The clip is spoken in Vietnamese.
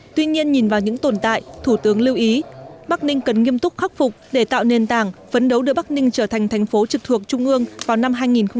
tuy nhiên nhìn vào những tồn tại thủ tướng lưu ý bắc ninh cần nghiêm túc khắc phục để tạo nền tảng phấn đấu đưa bắc ninh trở thành thành phố trực thuộc trung ương vào năm hai nghìn hai mươi